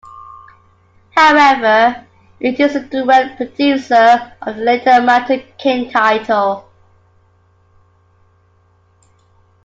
However, it is a direct predecessor of the later Mountain King title.